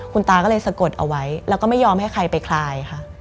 คุณตาก็เลยสะกดเอาไว้แล้วก็ไม่ยอมให้ใครไปคลายค่ะ